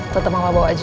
tetep sama lo bawa aja ya